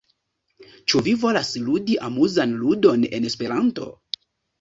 Ĉu vi volas ludi amuzan ludon en Esperanto?